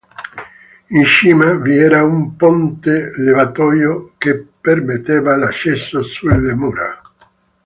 In cima vi era un "ponte levatoio" che permetteva l'accesso sulle mura.